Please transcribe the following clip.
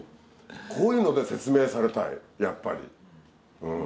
こういうので説明されたいやっぱり。